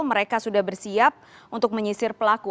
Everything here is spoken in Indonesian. mereka sudah bersiap untuk menyisir pelaku